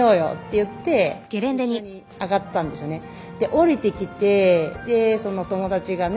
降りてきてその友達がね